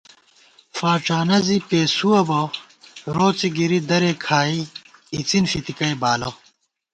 فاڄانہ زی پېسُوَہ بہ، روڅےگِری درے کھائی اِڅِن فِتِکَئ بالہ